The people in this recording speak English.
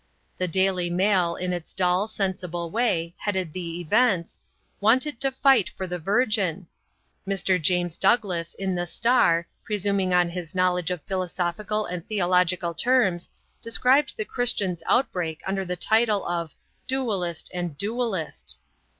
The Daily Mail in its dull, sensible way, headed the events, "Wanted to fight for the Virgin." Mr. James Douglas, in The Star, presuming on his knowledge of philosophical and theological terms, described the Christian's outbreak under the title of "Dualist and Duellist."